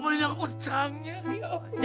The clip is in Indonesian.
uang yang utangnya